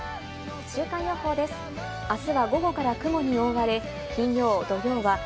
週間予報です。